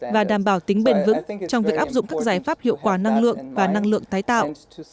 và đảm bảo tính bền vững trong việc áp dụng các giải pháp hiệu quả năng lượng và năng lượng tái tạo